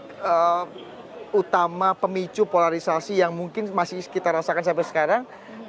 dan itu adalah titik utama pemicu polarisasi yang mungkin masih kita rasakan sampai sekarang